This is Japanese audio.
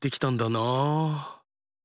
なあ？